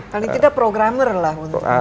kalian tidak programmer lah